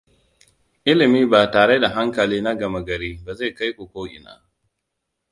Ilimi ba tare da hankali na gama gari ba zai kai ku ko'ina.